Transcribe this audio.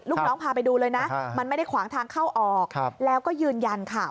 ลูกน้องพาไปดูเลยนะมันไม่ได้ขวางทางเข้าออกแล้วก็ยืนยันค่ะ